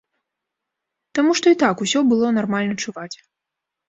Таму што і так усё было нармальна чуваць.